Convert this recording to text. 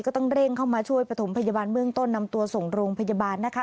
ก็ต้องเร่งเข้ามาช่วยประถมพยาบาลเบื้องต้นนำตัวส่งโรงพยาบาลนะคะ